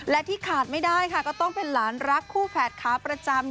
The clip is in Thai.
และที่ขาดไม่ได้ค่ะก็ต้องเป็นหลานรักคู่แฝดขาประจำ